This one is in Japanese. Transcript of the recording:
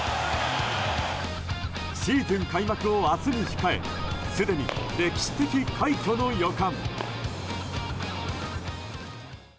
シーズン開幕を明日に控えすでに歴史的快挙の予感。